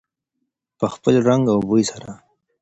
په خپل رنګ او بوی سره.